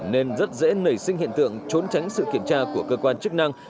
nên rất dễ nảy sinh hiện tượng trốn tránh sự kiểm tra của cơ quan chức năng